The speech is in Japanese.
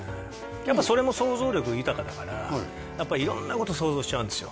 やっぱそれも想像力豊かだからやっぱ色んなこと想像しちゃうんですよ